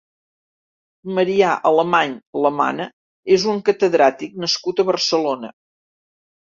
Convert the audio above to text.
Marià Alemany Lamana és un catedràtic nascut a Barcelona.